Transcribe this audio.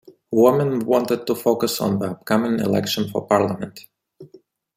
Wammen wanted to focus on the upcoming election for Parliament.